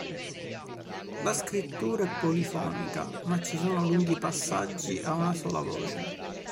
La scrittura è polifonica, ma ci sono lunghi passaggi a una sola voce.